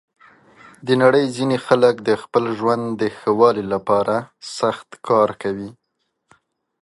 د نړۍ ځینې خلک د خپل ژوند د ښه والي لپاره سخت کار کوي.